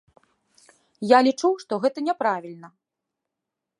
Я лічу, што гэта няправільна.